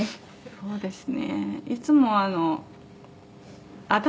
そうですね。